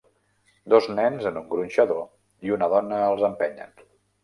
Dos nens en un gronxador i una dona els empenyen